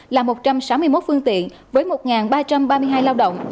là một trăm sáu mươi một phương tiện với một ba trăm ba mươi hai lao động